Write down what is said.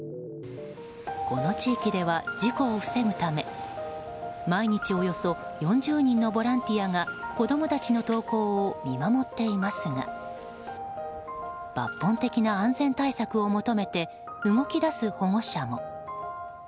この地域では事故を防ぐため毎日、およそ４０人のボランティアが子供たちの登校を見守っていますが抜本的な安全対策を求めて動き出す保護者も。